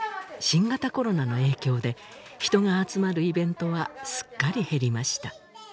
新型コロナの影響で人が集まるイベントはすっかり減りました